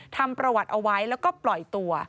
ทำประวัติเอาไว้แล้วก็ปล่อยตัว